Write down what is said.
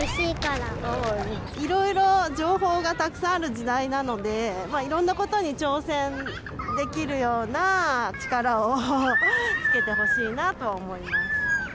いろいろ情報がたくさんある時代なので、いろんなことに挑戦できるような力をつけてほしいなとは思います。